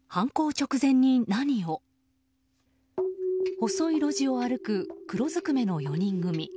細い路地を歩く黒ずくめの４人組。